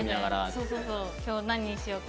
そうそうそう。